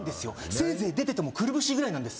せいぜい出ててもくるぶしぐらいなんです